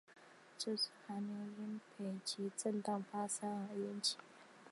这次寒流因北极震荡发生而引起。